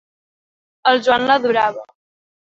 El Joan l'adorava.